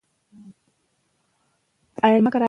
ژبه د ذهن آیینه ده.